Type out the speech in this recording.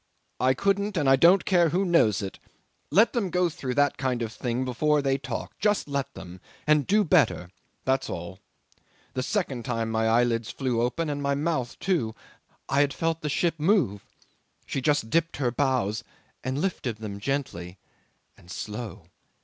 I couldn't, and I don't care who knows it. Let them go through that kind of thing before they talk. Just let them and do better that's all. The second time my eyelids flew open and my mouth too. I had felt the ship move. She just dipped her bows and lifted them gently and slow!